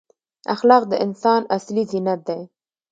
اخلاق د انسان اصلي زینت دی.